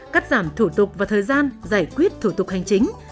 cắt giảm thủ tục và thời gian giải quyết thủ tục hành chính